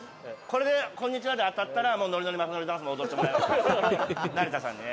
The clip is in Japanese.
「これで“こんにちは”で当たったらのりのりまさのりダンスも踊ってもらえますね